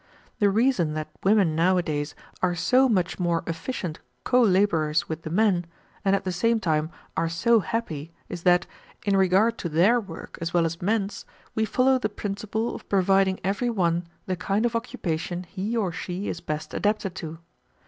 The reason that women nowadays are so much more efficient colaborers with the men, and at the same time are so happy, is that, in regard to their work as well as men's, we follow the principle of providing every one the kind of occupation he or she is best adapted to.